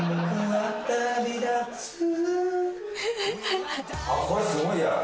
あっこれすごいや。